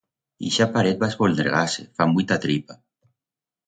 Ixa paret va a esvoldregar-se, fa muita tripa.